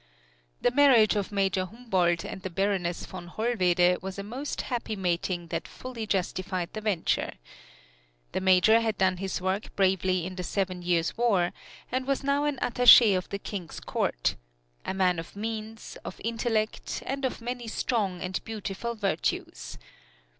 The marriage of Major Humboldt and the Baroness von Hollwede was a most happy mating that fully justified the venture. The Major had done his work bravely in the Seven Years' War, and was now an attache of the King's Court a man of means, of intellect, and of many strong and beautiful virtues.